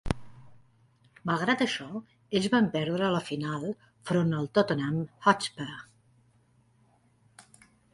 Malgrat això, ells van perdre la final front al Tottenham Hotspur.